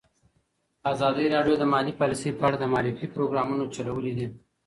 ازادي راډیو د مالي پالیسي په اړه د معارفې پروګرامونه چلولي.